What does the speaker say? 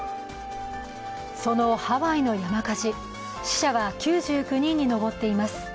そのハワイの山火事、死者は９９人に上っています。